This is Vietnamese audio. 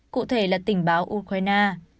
cụ thể là tình báo ukraine